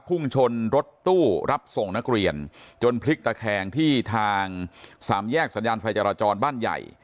พุ่งชนรถตู้รับส่งนักเรียนจนพลิกตะแคงที่ทางสามแยกสัญญาณไฟจราจรบ้านใหญ่